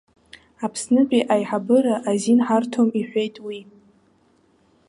Аԥснытәи аиҳабыра азин ҳарҭом, иҳәеит уи.